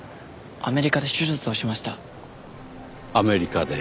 アメリカで。